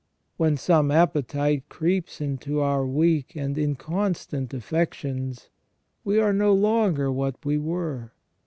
When some appetite creeps into our weak and inconstant affec tions, we are no longer what we were.